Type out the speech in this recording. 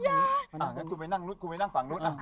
กูไปนั่งฝั่งนู้น